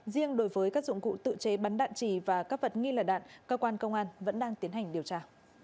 riêng đối với các dụng cụ tự chế bắn đạn trì và các vật nghi là đạn cơ quan công an vẫn đang tiến hành điều tra